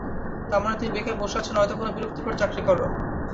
তার মানে, তুমি বেকার বসে আছো নয়তো কোনো বিরক্তিকর চাকরি করো।